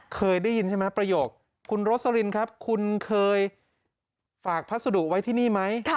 เคยได้ยินใช่ไหมประโยคคุณโรสลินครับคุณเคยฝากพัสดุไว้ที่นี่ไหม